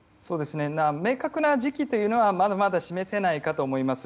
明確な時期というのはまだ示せないかと思います。